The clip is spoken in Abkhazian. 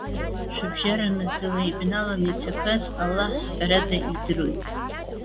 Шәыбжьара маӡала ибналаны ицақәаз, Аллаҳ ҳәарада идыруеит.